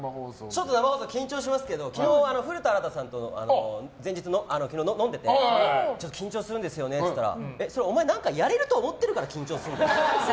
ちょっと緊張しますけど昨日、古田新太さんと飲んでいて緊張するんですよねって言ったらそれお前何かやれると思ってるから緊張するんだよって。